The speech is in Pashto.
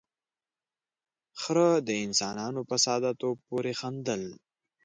، خره د انسانانو په ساده توب پورې خندل.